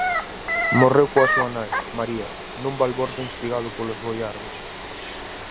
Morreu coa súa nai, María, nun balbordo instigado polos boiardos.